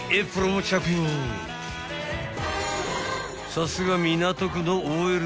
［さすが港区のＯＬさん］